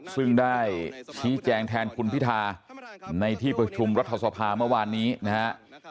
ซึ่งได้ชี้แจงแทนคุณพิธาในที่ประชุมรัฐสภาเมื่อวานนี้นะฮะ